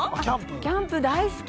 キャンプ大好き！